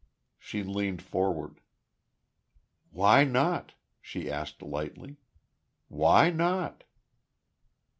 She leaned forward. "Why not?" she asked, lightly. "Why not?"